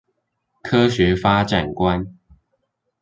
科學發展觀